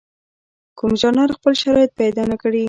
کوم ژانر خپل شرایط پیدا نکړي.